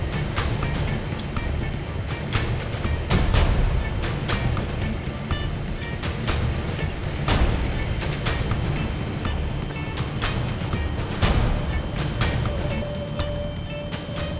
terima kasih mas